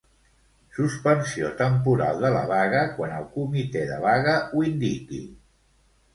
Suspensió temporal de la vaga quan el comitè de vaga ho indiqui.